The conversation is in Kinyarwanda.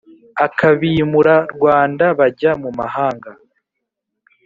ukabimura rwanda bajya muhanga